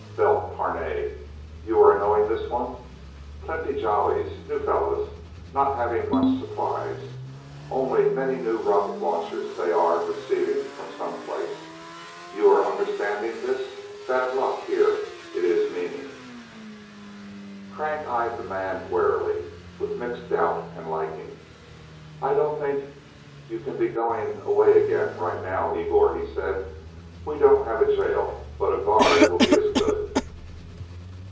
Belt Parnay. You are knowing this one? Plenty Jollies new fellas not having much supplies only many new rocket launchers they are receiving from someplace. You are understanding this? Bad luck, here, it is meaning." Nelsen eyed the man warily, with mixed doubt and liking. "I don't think you can be going away again, right now, Igor," he said. "We don't have a jail, but a guard will be as good..."